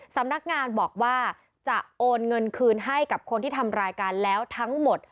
สำนักงานบอกว่าจะโอนเงินคืนให้กับคนที่ทำรายการแล้วทั้งหมด